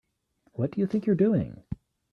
What do you think you're doing?